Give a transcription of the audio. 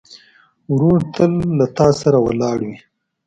ورور تل له تا سره ولاړ وي.